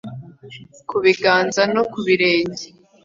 ku biganza no ku birenge